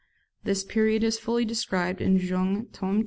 This period is fully described in Jung, tome ii.